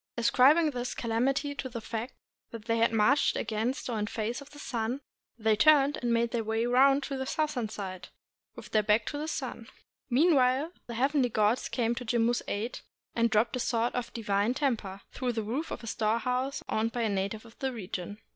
Ascribing this calamity to the fact that they had 282 JTMMU TENNO, FIRST MIKADO OF JAPAN marched against or in the face of the sun, they turned and made their way round the southern side, with their back to the sun. Meanwhile the heavenly gods came to Jimmu's aid, and dropped a sword of divine temper through the roof of a storehouse owned by a native of the region.